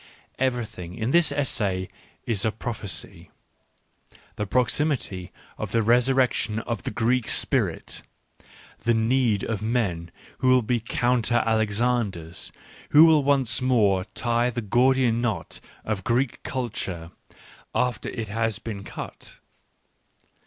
Everything in this essay is a prophecy : the proximity of the resur rection of the Greek spirit, the need of men who will be counter Alexanders, who will once more tie the Gordian knot of Greek culture, after it has been cut.